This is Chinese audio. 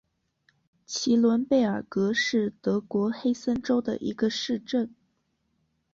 齐伦贝尔格是德国黑森州的一个市镇。